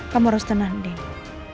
kamu harus tenang deniz